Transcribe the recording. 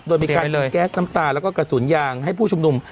โดยมีการแก๊สน้ำตาแล้วก็กระสุนยางให้ผู้ชุมนุม